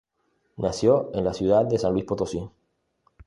Nació en la ciudad de San Luis Potosí.